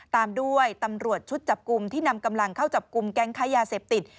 ตามด้วยตำรวจชุดจับกลุ่มที่นำกำลังเข้าจับกลุ่มแก๊งค้ายาเสพติด